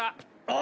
あ！